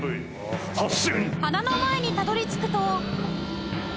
花の前にたどり着くと